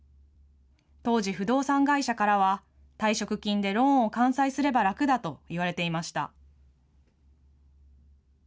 当時、不動産会社からは、退職金でローンを完済すれば楽だと言われていました。